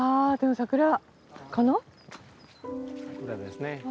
桜ですね。